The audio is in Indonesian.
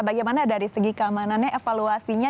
bagaimana dari segi keamanannya evaluasinya